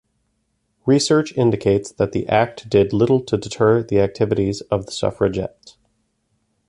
Research indicates that the Act did little to deter the activities of the suffragettes.